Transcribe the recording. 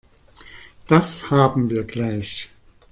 Das haben wir gleich.